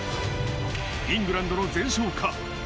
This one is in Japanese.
イングランドの全勝か？